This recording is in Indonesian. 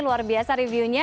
luar biasa reviewnya